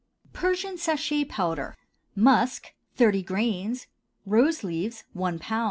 PERSIAN SACHET POWDER. Musk 30 grains. Rose leaves 1 lb.